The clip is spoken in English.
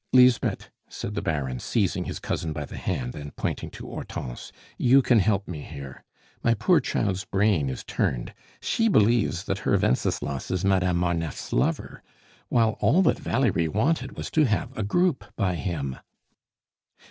"Lisbeth," said the Baron, seizing his cousin by the hand and pointing to Hortense, "you can help me here. My poor child's brain is turned; she believes that her Wenceslas is Madame Marneffe's lover, while all that Valerie wanted was to have a group by him."